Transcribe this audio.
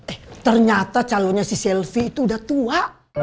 eh ternyata calonnya si selvi itu udah tua